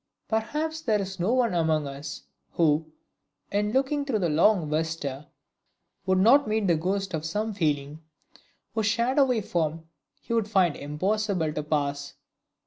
Perhaps there is no one among us, who, in looking through the long vista, would not meet the ghost of some feeling whose shadowy form he would find impossible to pass!